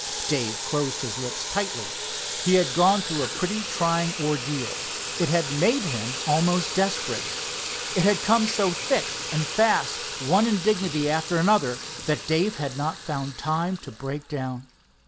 Dave closed his lips tightly. He had gone through a pretty trying ordeal. It had made him almost desperate. It had come so thick and fast, one indignity after another, that Dave had not found time to break down.